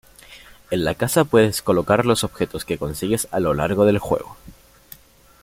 En la casa puedes colocar los objetos que consigues a lo largo del juego.